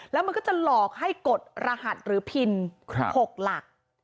แล้วมันก็จะหลอกให้กดรหัสหรือพิน๖หลัก